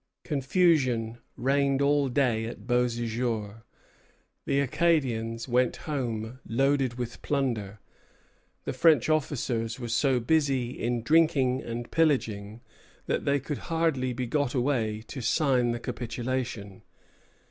Confusion reigned all day at Beauséjour. The Acadians went home loaded with plunder. The French officers were so busy in drinking and pillaging that they could hardly be got away to sign the capitulation.